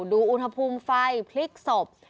ดูอุณหภูมิไฟพลิกศพ